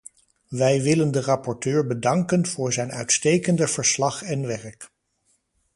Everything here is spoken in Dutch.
Wij willen de rapporteur bedanken voor zijn uitstekende verslag en werk.